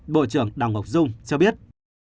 bộ trưởng đào ngọc dung cho biết